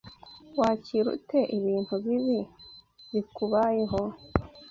Wakira ute ibintu bibi bikubayeho?